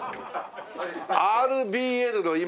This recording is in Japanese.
「ＲＢＬ」の今ね